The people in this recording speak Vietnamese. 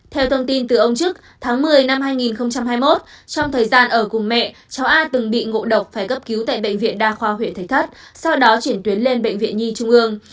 theo thông tin từ ông trức tháng một mươi năm hai nghìn hai mươi một trong thời gian ở cùng mẹ cháu ai từng bị ngộ độc phải cấp cứu tại bệnh viện đa khoa huyện thạch thất sau đó chuyển tuyến lên bệnh viện nhi trung ương